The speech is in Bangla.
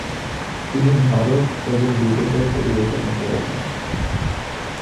তিনি ভারত এবং বিদেশেও পরিবেশনা করেছেন।